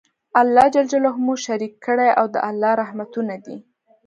الله ج مو شريک کړی او د الله رحمتونه دي